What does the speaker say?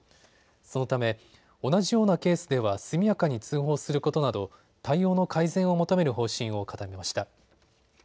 そのため同じようなケースでは速やかに通報することなど対応の改善を求める方針を固めました。